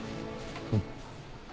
うん。